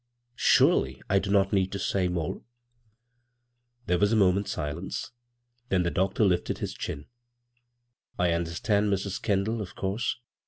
Surdy I do not need to say more !" There was a moment's silence, then the doctor lifted his chin. "I understand, Mrs. Kendall, of course.